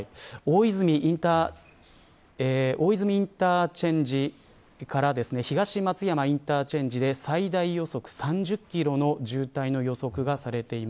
大泉インターチェンジから東松山インターチェンジで最大予測３０キロの渋滞の予測です。